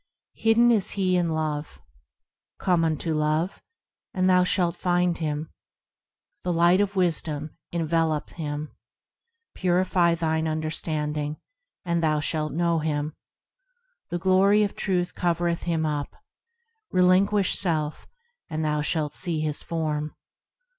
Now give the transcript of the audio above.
Hidden is He in Love ; Come unto Love, and thou shalt find Him. The Light of Wisdom envelopeth Him ; Purify thine understanding, and thou shalt know Him. The glory of Truth covereth Him up; Relinguish self, and thou shalt see His Form.